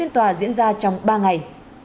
tòa diễn ra trong ba ngày